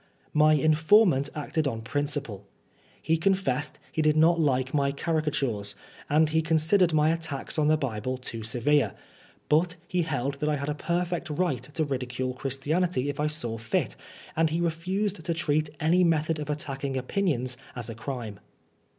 My informant acted on principle. He confessed he did not like my carica tures, and he considered my attacks on the Bible too severe ; but he held that I had a perfect right to ridicule Christianity if I thought fit, and he refused to treat any method of attacking opinions as a crime.